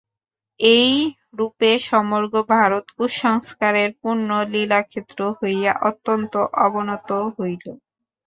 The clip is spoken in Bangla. এইরূপে সমগ্র ভারত কুসংস্কারের পূর্ণ লীলাক্ষেত্র হইয়া অত্যন্ত অবনত হইল।